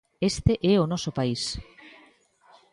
¡Este é o noso país!